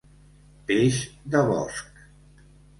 Peix de bosc.